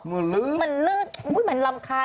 หมอลื่น